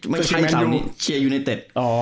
ไม่ใช่เสานี้เชียร์อินเตอร์